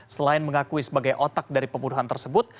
selain mengakui sebagai otak dari pembunuhan tersebut